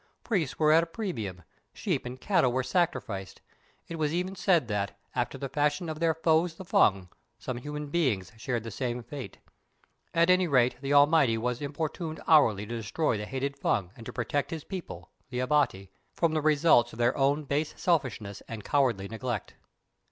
Priests were at a premium; sheep and cattle were sacrificed; it was even said that, after the fashion of their foes the Fung, some human beings shared the same fate. At any rate the Almighty was importuned hourly to destroy the hated Fung and to protect His people—the Abati—from the results of their own base selfishness and cowardly neglect.